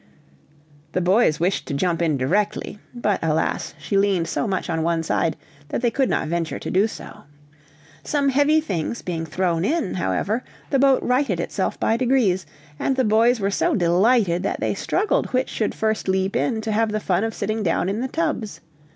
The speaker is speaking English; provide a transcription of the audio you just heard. The boys wished to jump in directly; but, alas, she leaned so much on one side that they could not venture to do so. Some heavy things being thrown in, however, the boat righted itself by degrees, and the boys were so delighted that they struggled which should first leap in to have the fun of sitting down in the tubs.